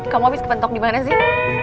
kamu abis kepentok dimana sih